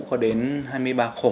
có đến hai mươi ba khổ